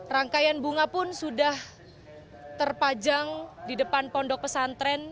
rangkaian bunga pun sudah terpajang di depan pondok pesantren